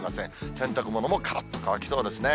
洗濯物もからっと乾きそうですね。